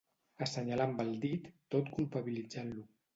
Assenyalar amb el dit tot culpabilitzant-lo.